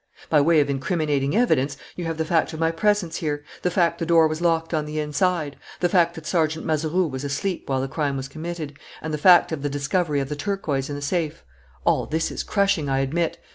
By way of incriminating evidence, you have the fact of my presence here, the fact the door was locked on the inside, the fact that Sergeant Mazeroux was asleep while the crime was committed, and the fact of the discovery of the turquoise in the safe. All this is crushing, I admit.